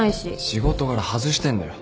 仕事柄外してんだよ。